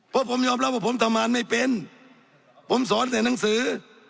เพราะผมยอมรับว่าผมทำงานไม่เป็นผมสอนแต่หนังสือ